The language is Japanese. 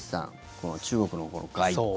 この中国の外交。